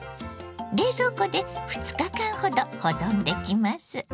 冷蔵庫で２日間ほど保存できます。